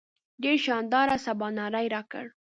ډېر شانداره سباناری راکړ.